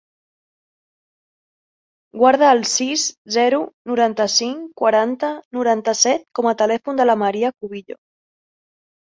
Guarda el sis, zero, noranta-cinc, quaranta, noranta-set com a telèfon de la Maria Cubillo.